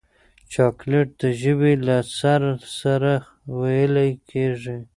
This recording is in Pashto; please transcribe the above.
چاکلېټ د ژبې له سر سره ویلې کېږي.